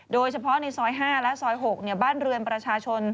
โดยเฉพาะในซอย๕และซอย๖บ้านเรือนประชาชน